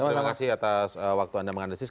terima kasih atas waktu anda menganalisis